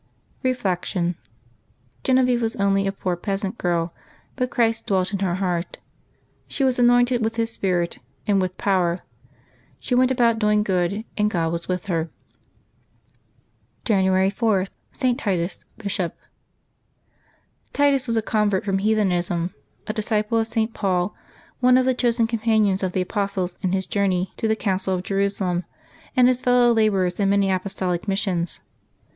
Reflection. — Genevieve was only a poor peasant girl, but Christ dwelt in her heart. She was anointed with His Spirit, and with power; she went about doing good, and God was with her. January 4.— ST. TITUS, Bishop. j^NiTUS was a convert from heathenism, a disciple of St. %^ Paul, one of the chosen companions of the Apostles in. his journey to the Council of Jerusalem, and his fellow laborers in many apostolic missions.